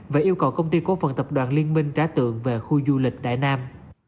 và yêu cầu công ty cố phần tập đoàn liên minh trả tượng về khu du lịch đại nam